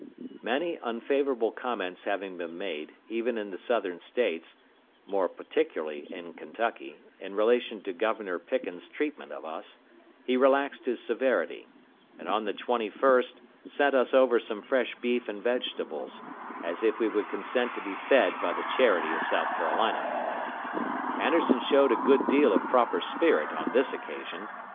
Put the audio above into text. Many unfavorable comments having been made, even in the Southern States, more particularly in Kentucky, in relation to Governor Pickens's treatment of us, he relaxed his severity, and on the 21st sent us over some fresh beef and vegetables; as if we would consent to be fed by the charity of South Carolina. Anderson showed a good deal of proper spirit on this occasion.